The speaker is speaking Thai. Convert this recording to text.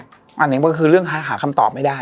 อันนี้ก็คือเรื่องหาคำตอบไม่ได้